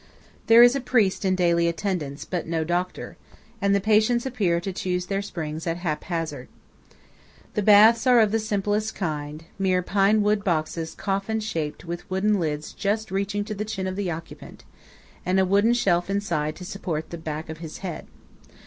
There is a priest in daily attendance, but no doctor; and the patients appear to choose their springs at hap hazard. The baths are of the simplest kind–mere pine wood boxes coffin shaped, with wooden lids just reaching to the chin of the occupant, and a wooden shelf inside to support the back of his head.